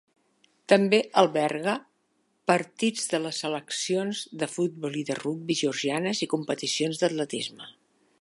També alberga partits de les seleccions de futbol i de rugbi georgianes, i competicions d'atletisme.